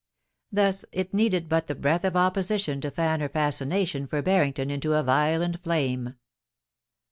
Thus it needed but the breath of opposition to fan her fascination for Barrington into a violent flame.